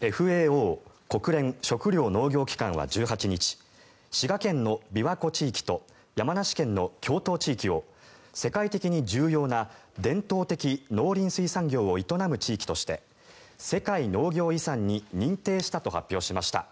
ＦＡＯ・国連食糧農業機関は１８日滋賀県の琵琶湖地域と山梨県の峡東地域を世界的に重要な伝統的農林水産業を営む地域として世界農業遺産に認定したと発表しました。